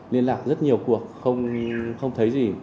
liên lạc rất nhiều cuộc không thấy gì